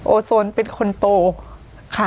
โซนเป็นคนโตค่ะ